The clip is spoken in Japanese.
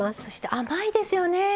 そして甘いですよね